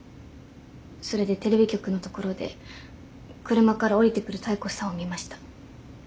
それでテレビ局の所で車から降りてくる妙子さんを見ました。